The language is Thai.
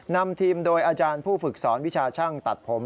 นำทีมโดยอาจารย์ผู้ฝึกสอนวิชาช่างตัดผม